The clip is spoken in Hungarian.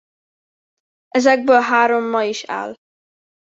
Ezekből három ma is áll.